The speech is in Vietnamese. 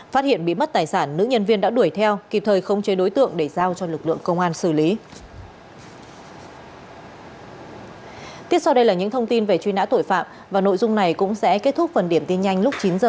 phát hiện bị mất tài sản nữ nhân viên đã đuổi theo kịp thời khống chế đối tượng để giao cho lực lượng công an xử lý